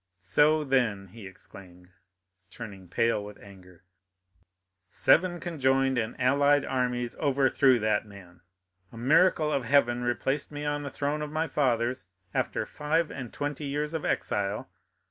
0141m "So then," he exclaimed, turning pale with anger, "seven conjoined and allied armies overthrew that man. A miracle of heaven replaced me on the throne of my fathers after five and twenty years of exile.